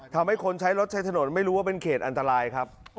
ทำให้คนใช้รถใช้ถนนไม่รู้ว่าเป็นเขตอันตรายครับ